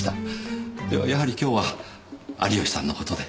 ではやはり今日は有吉さんのことで？